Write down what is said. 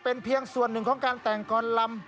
เป็นเพียงส่วนหนึ่งของการแต่งกรลำ